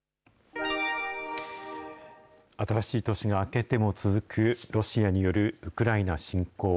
新しい年が明けても続く、ロシアによるウクライナ侵攻。